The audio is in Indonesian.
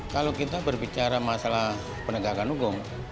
kalau kita berbicara masalah penegakan hukum